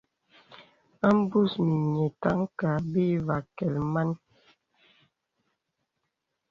A mbus mìnyè taŋ kàà bə̄ î vè akɛ̀l man.